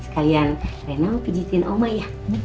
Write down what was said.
kalian renau pijetin oma ya